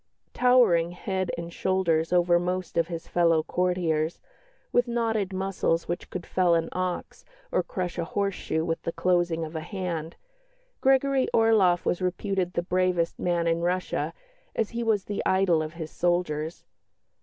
Towering head and shoulders over most of his fellow courtiers, with knotted muscles which could fell an ox or crush a horse shoe with the closing of a hand, Gregory Orloff was reputed the bravest man in Russia, as he was the idol of his soldiers.